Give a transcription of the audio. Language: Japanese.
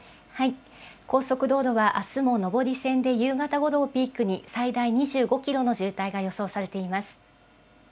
高速道路はあすも上り線で夕方ごろをピークに最大２５キロの渋滞が予想されています。